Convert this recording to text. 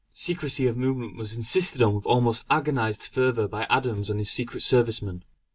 Secrecy of movement was insisted on with almost agonised fervour by Adams and the Secret Service men.